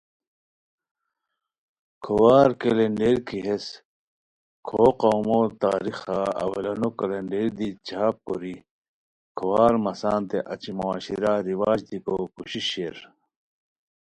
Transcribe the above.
کھوار کلنڈر کی ہیس کھو قومو تاریخا اولانو کلنڈر دی چھاپ کوری کھوار مسانتے اچی معاشرہ رواج دیکو کوشش شیر